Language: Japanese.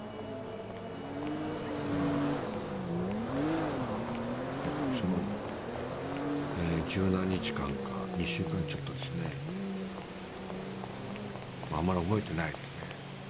だからまあその十何日間か２週間ちょっとですねあんまり覚えてないですね日々。